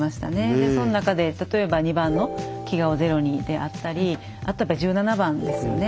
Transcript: でその中で例えば２番の「飢餓をゼロに」であったりあとはやっぱ１７番ですよね。